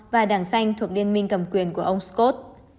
và đảng xanh thuộc liên minh cầm quyền của ông scott